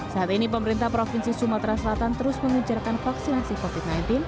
saat ini pemerintah provinsi sumatera selatan terus mengejarkan vaksinasi covid sembilan belas